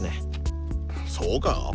そうか？